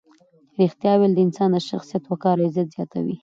ریښتیا ویل د انسان د شخصیت وقار او عزت زیاتوي.